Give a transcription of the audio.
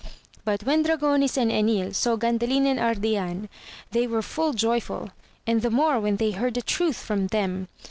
But when Dra gonis and Enil saw Gandalin and Ardian, they were full joyful, and the more, when they heard the truth from them.